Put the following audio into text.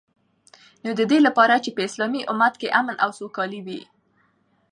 نو ددی لپاره چی په اسلامی امت کی امن او سوکالی وی